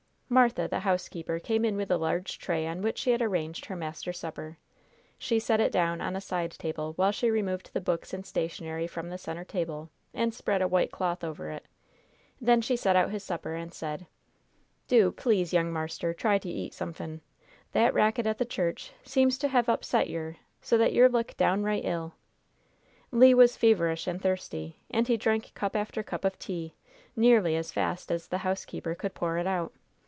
Martha, the housekeeper, came in with a large tray on which she had arranged her master's supper. She set it down on a side table, while she removed the books and stationary from the center table and spread a white cloth over it. Then she set out his supper, and said: "Do, please, young marster, try to eat somefin'. That racket at the church seems to hev upset yer so that yer look downright ill." Le was feverish and thirsty, and he drank cup after cup of tea, nearly as fast as the housekeeper could pour it out.